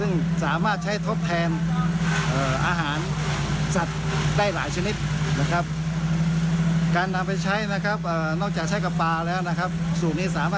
นี่แหละฮะฟังเสียงหน่อยไหม